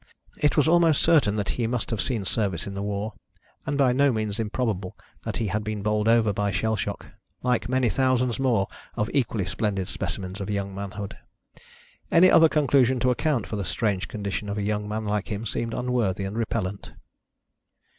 It was almost certain that he must have seen service in the war, and by no means improbable that he had been bowled over by shell shock, like many thousands more of equally splendid specimens of young manhood. Any other conclusion to account for the strange condition of a young man like him seemed unworthy and repellent.